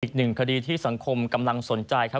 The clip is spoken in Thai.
อีกหนึ่งคดีที่สังคมกำลังสนใจครับ